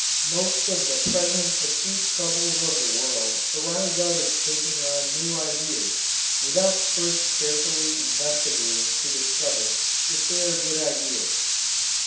Most of the present acute troubles of the world arise out of taking on new ideas without first carefully investigating to discover if they are good ideas.